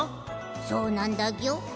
そうなんだギョ。